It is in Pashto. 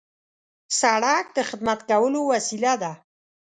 سړک د خدمت کولو وسیله ده.